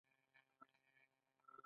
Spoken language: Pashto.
د دروازې مخې ته میز ایښی و.